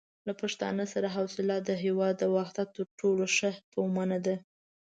له پښتانه سره حوصله د هېواد د وحدت تر ټولو ښه تومنه ده.